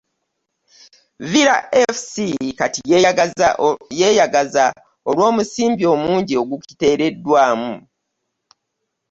Villa FC kati yeeyagaza olw'omusimbi omungi ogugiteekebwamu.